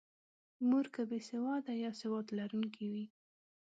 مور که بې سواده یا سواد لرونکې وي.